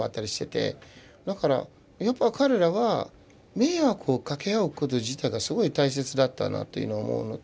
だからやっぱ彼らは迷惑をかけ合うこと自体がすごい大切だったなっていうのを思うのと。